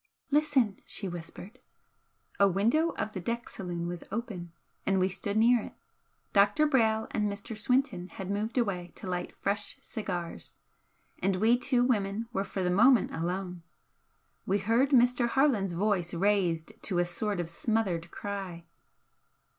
"Listen!" she whispered. A window of the deck saloon was open and we stood near it. Dr. Brayle and Mr. Swinton had moved away to light fresh cigars, and we two women were for the moment alone. We heard Mr. Harland's voice raised to a sort of smothered cry.